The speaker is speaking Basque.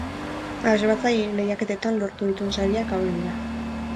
Abesbatza-lehiaketetan lortu dituen sariak hauek dira.